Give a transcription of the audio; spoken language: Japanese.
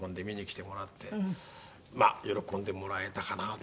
まあ喜んでもらえたかなと。